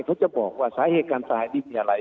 เขาจะบอกว่าสาเหตุการณ์ตายนี่มีอะไร